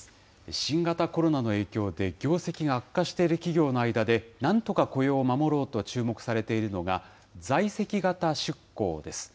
新型コロナの影響で業績が悪化している企業の間で、なんとか雇用を守ろうと注目されているのが、在籍型出向です。